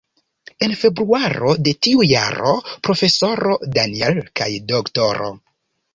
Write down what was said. En februaro de tiu jaro, Profesoro Daniel kaj Dro.